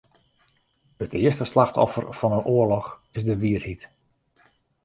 It earste slachtoffer fan 'e oarloch is de wierheid.